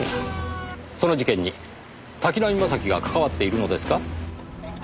その事件に滝浪正輝が関わっているのですか？